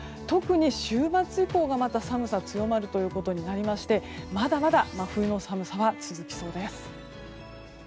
特に週末意向が寒さが強まるということになりましてまだまだ真冬の寒さは続きそうです。